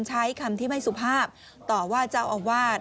ใช้คำที่ไม่สุภาพต่อว่าเจ้าอาวาส